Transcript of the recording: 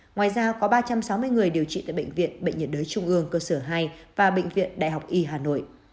ngoài ra có ba trăm sáu mươi người điều trị tại bệnh viện bệnh nhiệt đới trung ương cơ sở hai và bệnh viện đại học y hà nội